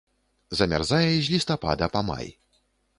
Замярзае з лістапада па май.